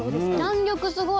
弾力すごい。